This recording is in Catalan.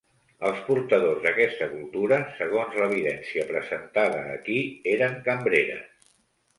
Els portadors d'aquesta cultura, segons l’evidència presentada aquí, eren cambreres.